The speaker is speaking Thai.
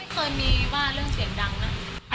เคยมีว่าเรื่องเสียงดังนะ